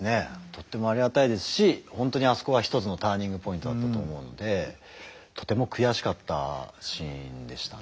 とってもありがたいですし本当にあそこは一つのターニングポイントだったと思うのでとても悔しかったシーンでしたね。